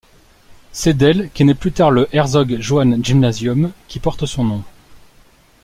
C’est d’elle qu’est né plus tard le Herzog-Johann-Gymnasium, qui porte son nom.